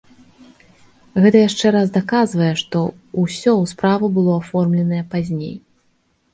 Гэта яшчэ раз даказвае, што ўсё ў справу было аформленае пазней.